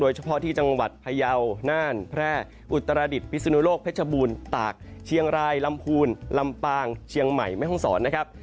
เฉพาะที่จังหวัดพยาวน่านแพร่อุตรดิษฐพิสุนุโลกเพชรบูรณ์ตากเชียงรายลำพูนลำปางเชียงใหม่แม่ห้องศรนะครับ